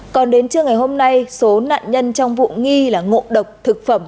còn đến trưa ngày hôm nay số nạn nhân trong vụ nghi là ngộ độc thực phẩm